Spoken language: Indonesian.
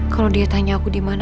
kalau dia tanya aku dimana